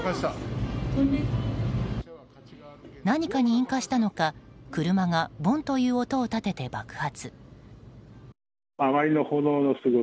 何かに引火したのか車がボンという音を立てて爆発。